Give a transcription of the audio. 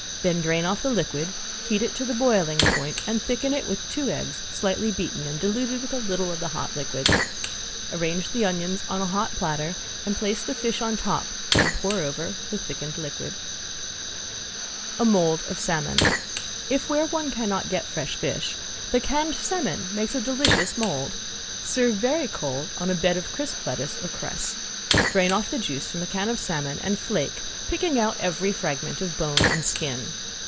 Then drain off the liquid, heat it to the boiling point, and thicken it with two eggs slightly beaten and diluted with a little of the hot liquid. Arrange the onions on a hot platter and place the fish on top, then pour over the thickened liquid. ~A MOLD OF SALMON~ If where one cannot get fresh fish, the canned salmon makes a delicious mold. Serve very cold on a bed of crisp lettuce or cress. Drain off the juice from a can of salmon, and flake, picking out every fragment of bone and skin.